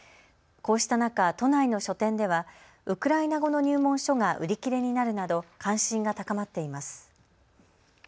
こうした中、都内の書店ではウクライナ語の入門書が売り切れになるなど関心が高まっています。